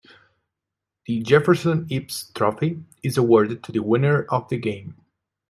The Jefferson-Eppes Trophy is awarded to the winner of the game.